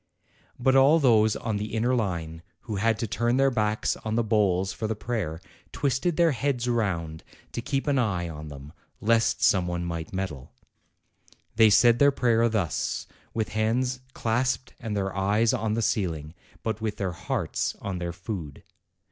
But all those on the inner line, who had to turn their backs on the bowls for the prayer, twisted their heads round to keep an eye on them, lest some one might meddle. They said their prayer thus, with hands clasped and their eyes on the ceiling, but with their hearts on their food.